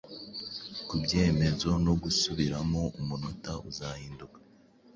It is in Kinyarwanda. Kubyemezo no gusubiramo umunota uzahinduka